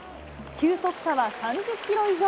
球速差は３０キロ以上。